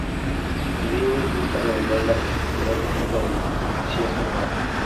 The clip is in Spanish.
El libro intenta revelar la complejidad oculta del desierto moral.